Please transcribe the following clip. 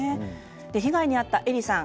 被害に遭ったエリさん